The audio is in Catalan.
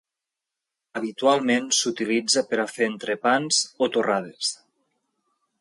Habitualment s'utilitza per a fer entrepans o torrades.